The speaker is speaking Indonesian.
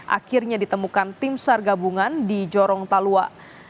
akhirnya ditemukan tim sargabungan di jorong talua